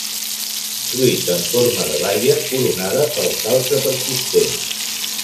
Fruit en forma de baia, coronada pel calze persistent.